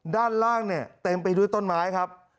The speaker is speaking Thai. ด้านล่างเนี่ยเต็มไปด้วยต้นไม้ครับ